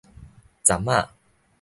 鏨子